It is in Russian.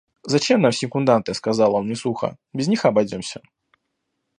«Зачем нам секунданты, – сказал он мне сухо, – без них обойдемся».